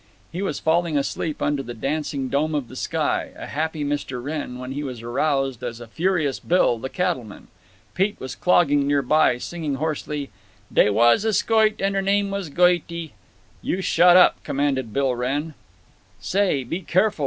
He was falling asleep under the dancing dome of the sky, a happy Mr. Wrenn, when he was aroused as a furious Bill, the cattleman. Pete was clogging near by, singing hoarsely, "Dey was a skoit and 'er name was Goity." "You shut up!" commanded Bill Wrenn. "Say, be careful!"